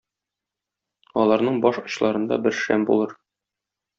Аларның баш очларында бер шәм булыр.